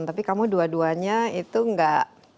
jadi kamu berduanya itu gak